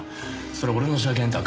それ俺の車券だ。